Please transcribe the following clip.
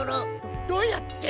どうやって？